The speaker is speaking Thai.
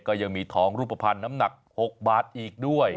ก็ยังมีทองรูปภัณฑ์น้ำหนัก๖บาทอีกด้วย